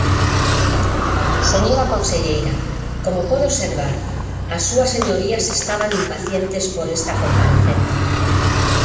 Señora conselleira, como pode observar, as súas señorías estaban impacientes por esta comparecencia.